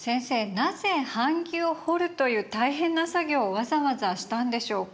なぜ版木を彫るという大変な作業をわざわざしたんでしょうか。